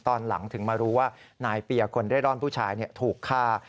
ตอนหลังถึงมารู้ว่านายเปียคนเร่ร่อนผู้ชายถูกฆ่า